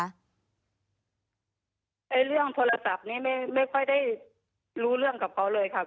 เรื่องโทรศัพท์นี้ไม่ค่อยได้รู้เรื่องกับเขาเลยค่ะ